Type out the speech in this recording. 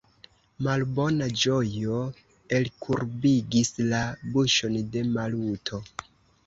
Malbona ĝojo elkurbigis la buŝon de Maluto.